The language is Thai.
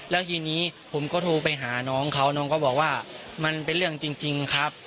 แล้วทีนี้ผมก็โทรไปหาน้องเขาน้องก็บอกว่ามันเป็นเรื่องจริงครับ